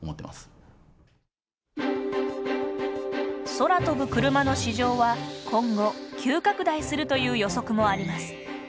空飛ぶクルマの市場は今後急拡大するという予測もあります。